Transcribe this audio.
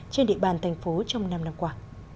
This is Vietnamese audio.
trên địa bàn thành phố trong năm năm qua